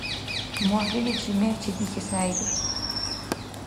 МухӀлиличи мегь чедихьес хӀейрар.